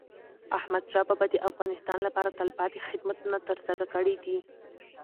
احمدشاه بابا د افغانستان لپاره تلپاتي خدمتونه ترسره کړي دي.